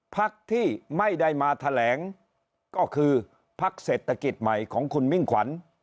พักที่ไม่ได้มาแถลงก็คือพักเศรษฐกิจใหม่ของคุณมิ่งขวัญ